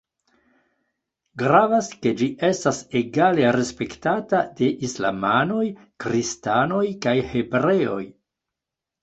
Gravas, ke ĝi estas egale respektata de islamanoj, kristanoj kaj hebreoj.